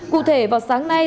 cụ thể vào sáng nay